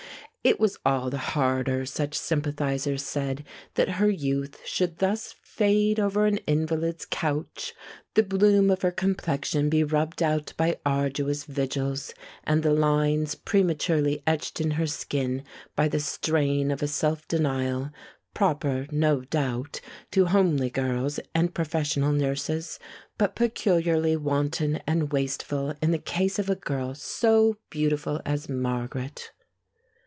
It was all the harder, such sympathizers said, that her youth should thus fade over an invalid's couch, the bloom of her complexion be rubbed out by arduous vigils, and the lines prematurely etched in her skin by the strain of a self denial proper, no doubt, to homely girls and professional nurses, but peculiarly wanton and wasteful in the case of a girl so beautiful as Margaret.